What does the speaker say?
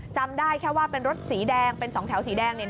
จำได้แค่ว่าเป็นรถสีแดงเป็น๒แถวสีแดง